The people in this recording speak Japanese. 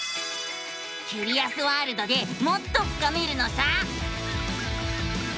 キュリアスワールドでもっと深めるのさ！